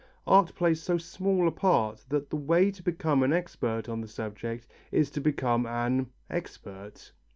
Art plays so small a part that the way to become an expert on the subject is to become an expert.